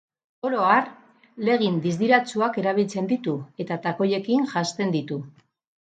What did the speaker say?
Oro har, leggin distiratsuak erabiltzen ditu eta takoiekin janzten ditu.